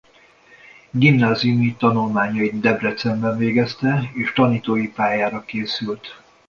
Gimnáziumi tanulmányait Debrecenben végezte és a tanítói pályára készült.